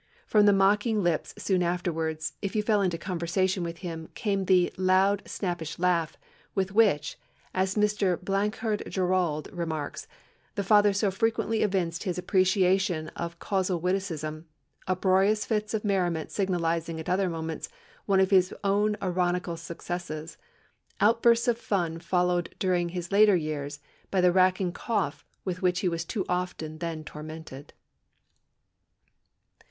From the mocking lips soon afterwards, if you fell into conversation with him, came the 'loud snappish laugh,' with which, as Mr. Blanchard Jerrold remarks, the Father so frequently evinced his appreciation of a casual witticism uproarious fits of merriment signalising at other moments one of his own ironical successes, outbursts of fun followed during his later years by the racking cough with which he was too often then tormented."